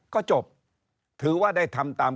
ก็จบถือว่าได้ทำตาม